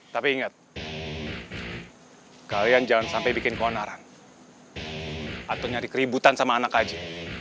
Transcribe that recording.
tapi ingat kalian jangan sampai bikin keonaran atau nyari keributan sama anak aja